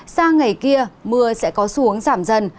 sao ngày kia mưa sẽ có xu hướng giảm dần